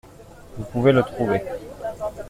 Vous pouvez le trouver.